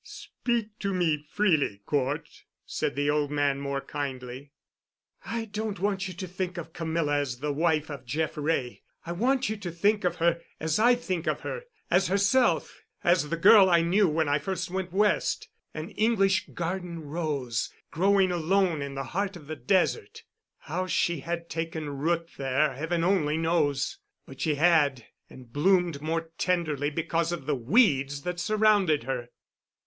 "Speak to me freely, Cort," said the old man more kindly. "I don't want you to think of Camilla as the wife of Jeff Wray. I want you to think of her as I think of her—as herself—as the girl I knew when I first went West, an English garden rose growing alone in the heart of the desert. How she had taken root there Heaven only knows, but she had—and bloomed more tenderly because of the weeds that surrounded her."